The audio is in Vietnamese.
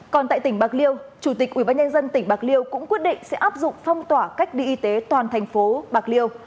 còn tại tỉnh bạc liêu chủ tịch ubnd tỉnh bạc liêu cũng quyết định sẽ áp dụng phong tỏa cách đi y tế toàn thành phố bạc liêu